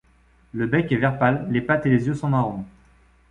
Le bec est vert pâle, les pattes et les yeux sont marron.